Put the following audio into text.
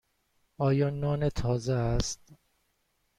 آیا نان تازه است؟